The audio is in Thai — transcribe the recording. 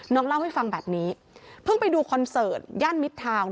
เล่าให้ฟังแบบนี้เพิ่งไปดูคอนเสิร์ตย่านมิดทาง